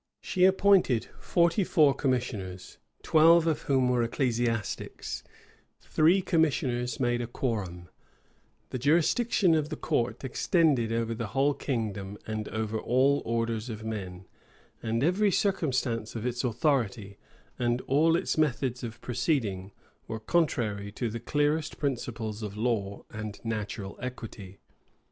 She appointed forty four commissioners, twelve of whom were ecclesiastics; three commissioners made a quorum; the jurisdiction of the court extended over the whole kingdom and over all orders of men; and every circumstance of its authority, and all its methods of proceeding, were contrary to the clearest principles of law and natural equity.